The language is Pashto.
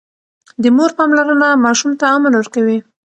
د مور پاملرنه ماشوم ته امن ورکوي.